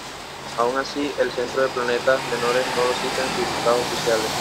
Aun así, el Centro de Planetas Menores no lo cita en sus listados oficiales.